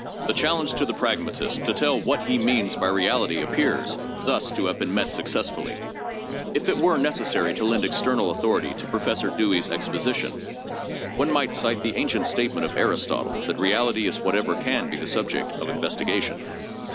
The challenge to the pragmatist to tell what he means by reality appears, thus, to have been met successfully. If it were necessary to lend external authority to Professor Dewey's exposition, one might cite the ancient statement of Aristotle that reality is whatever can be the subject of investiga tion.